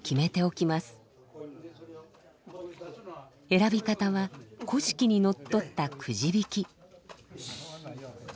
選び方は古式にのっとったくじ引き。